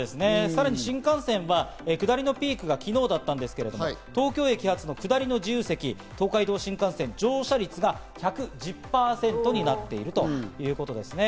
さらに新幹線は下りのピークが昨日だったんですけど東京駅発の下りの自由席、東海道新幹線、乗車率が１１０％になっているということですね。